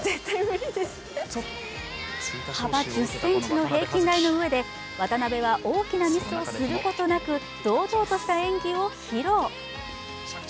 幅１０ｃｍの平均台の上で渡部は大きなミスをすることなく堂々とした演技を披露。